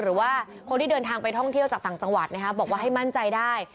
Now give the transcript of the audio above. หรือว่าคนที่เดินทางไปท่องเที่ยวจากต่างจังหวัดบอกว่าให้มั่นใจได้